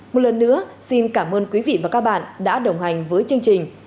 một lần nữa xin cảm ơn quý vị và các bạn đã đồng hành với chương trình